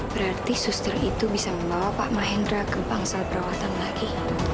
berarti suster itu bisa membawa pak mahendra ke bangsa perawatan lagi